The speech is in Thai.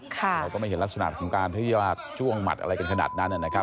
เราก็ไม่เห็นลักษณะของการที่ว่าจ้วงหมัดอะไรกันขนาดนั้นนะครับ